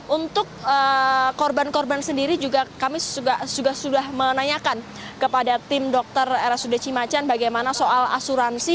untuk korban korban sendiri juga kami sudah menanyakan kepada tim dokter rsud cimacan bagaimana soal asuransi